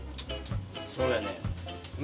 そうやねん。